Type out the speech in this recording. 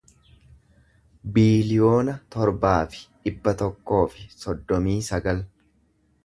biiliyoona torbaa fi dhibba tokkoo fi soddomii sagal